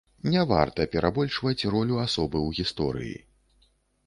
Не варта перабольшваць ролю асобы ў гісторыі.